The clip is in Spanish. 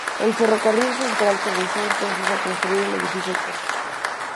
El Ferrocarril Central comenzó entonces a construir el edificio actual.